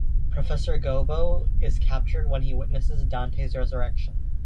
Professor Gobbo is captured when he witnesses Dante's resurrection.